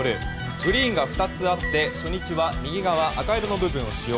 グリーンが２つあって初日は右側の赤い部分を使用。